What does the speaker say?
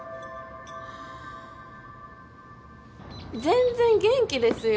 全然元気ですよ。